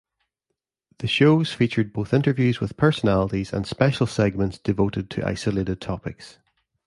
The shows featured both interviews with personalities and special segments devoted to isolated topics.